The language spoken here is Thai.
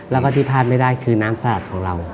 แล้วก็ที่พลาดไม่ได้คือน้ำสลัดของเรา